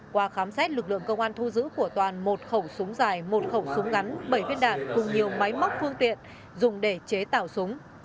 qua khám xét lực lượng công an thu giữ của toàn một khẩu súng dài một khẩu súng ngắn bảy viên đạn cùng nhiều máy móc phương tiện dùng để chế tạo súng